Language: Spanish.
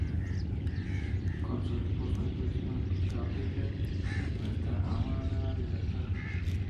Con su esposo en prisión, Gabrielle se enfrenta a su nueva libertad.